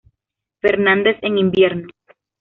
Fernández en invierno.